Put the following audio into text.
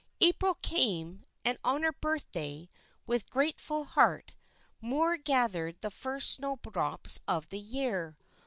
April came; and on her birthday, with a grateful heart, Moor gathered the first snow drops of the year.